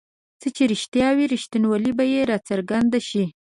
څه چې رښتیا وي رښتینوالی به یې راڅرګند شي.